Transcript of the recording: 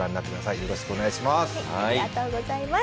よろしくお願いします。